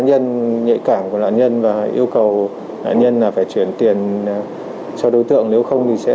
nhân nhạy cảng của nạn nhân và yêu cầu nạn nhân phải chuyển điền cho đối tượng nếu không thì sẽ